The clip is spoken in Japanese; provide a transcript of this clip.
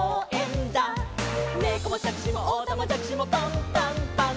「ねこもしゃくしもおたまじゃくしもパンパンパン！！」